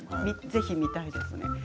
ぜひ見たいです。